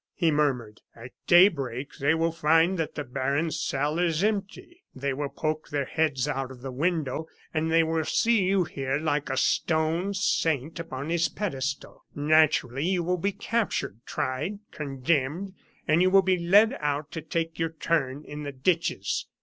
he murmured, "At daybreak they will find that the baron's cell is empty. They will poke their heads out of the window, and they will see you here, like a stone saint upon his pedestal. Naturally, you will be captured, tried, condemned; and you will be led out to take your turn in the ditches.